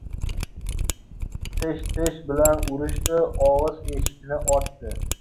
• Tish tish bilan urishdi, og‘iz eshikni ochdi.